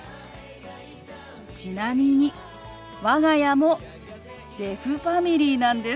ちなみに我が家もデフファミリーなんです。